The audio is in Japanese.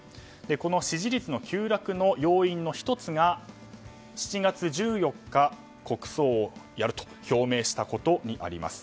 この支持率急落の要因の１つが７月１４日、国葬をやると表明したことにあります。